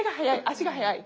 足が早い。